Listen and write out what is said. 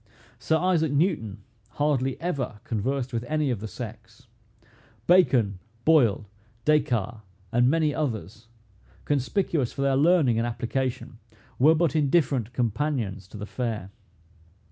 Sir Isaac Newton hardly ever conversed with any of the sex. Bacon, Boyle, Des Cartes, and many others, conspicuous for their learning and application, were but indifferent companions to the fair.